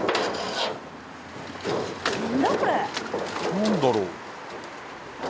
何だろう。